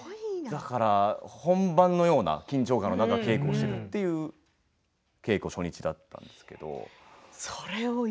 本番のような緊張感の中で稽古をしてという稽古初日だったんですけれども。